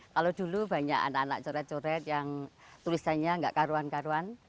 kalau dulu banyak anak anak coret coret yang tulisannya nggak karuan karuan